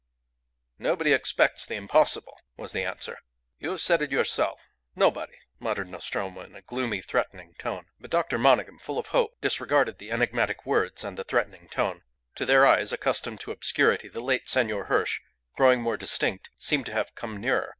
"Nobody expects the impossible," was the answer. "You have said it yourself nobody," muttered Nostromo, in a gloomy, threatening tone. But Dr. Monygham, full of hope, disregarded the enigmatic words and the threatening tone. To their eyes, accustomed to obscurity, the late Senor Hirsch, growing more distinct, seemed to have come nearer.